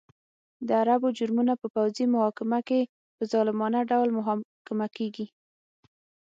د عربو جرمونه په پوځي محکمه کې په ظالمانه ډول محاکمه کېږي.